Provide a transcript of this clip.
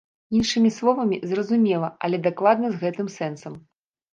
Іншымі словамі, зразумела, але дакладна з гэтым сэнсам.